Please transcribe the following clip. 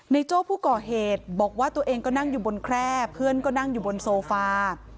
โจ้ผู้ก่อเหตุบอกว่าตัวเองก็นั่งอยู่บนแคร่เพื่อนก็นั่งอยู่บนโซฟา